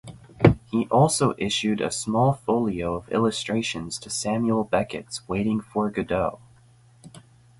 He also issued a small folio of illustrations to Samuel Beckett's "Waiting for Godot".